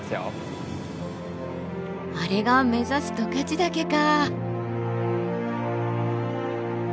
あれが目指す十勝岳か。